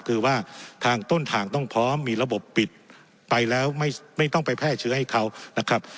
คือว่าทางต้นทางต้องพร้อมมีระบบปิดไปแล้วไม่ต้องไปแพร่เชื้อให้เขานะครับ